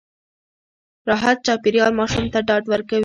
راحت چاپېريال ماشوم ته ډاډ ورکوي.